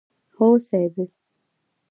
هو صيب!